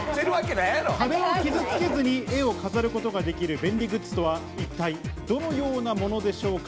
壁を傷付けずに絵を飾れる便利グッズとは一体どのようなものでしょうか？